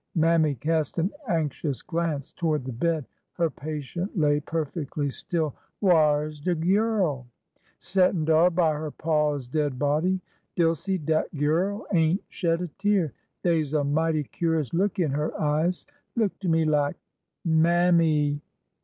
Mammy cast an anxious glance toward the bed. Her patient lay perfectly still. " Whar's de gyurl?" Settin' dar by her paw's dead body 1 Dilsey, dat gyurl ain't shed a tear 1 Dey 's a mighty cur'ous look in her eyes. Look to me lak~" Mammy!